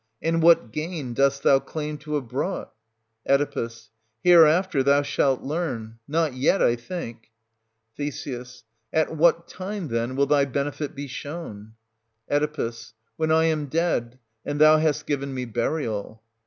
And what gain dost thou claim to have brought t 580 Oe. Hereafter thou shalt learn ; not yet, I think. Th. At what time, then, will thy benefit be shown.? Oe. When I am dead, and thou hast given me burial.